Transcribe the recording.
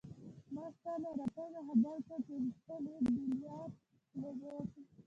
ما ستا له راتګه خبر کړ چې غوښتل يې بیلیارډ لوبه وکړي.